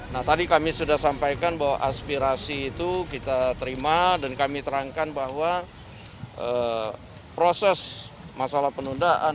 nah tadi kami sudah sampaikan bahwa aspirasi itu kita terima dan kami terangkan bahwa proses masalah penundaan